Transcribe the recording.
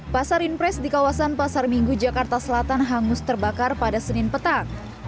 pasar impres di kawasan pasar minggu jakarta selatan hangus terbakar pada senin petang